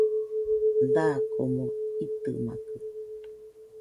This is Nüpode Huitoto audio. Dakomo itɨmakɨ